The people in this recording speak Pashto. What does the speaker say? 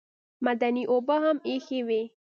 معدني اوبه هم ایښې وې.